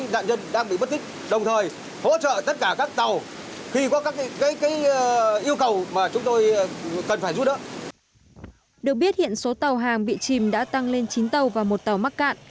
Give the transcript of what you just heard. được biết hiện số tàu hàng bị chìm đã tăng lên chín tàu và một tàu mắc cạn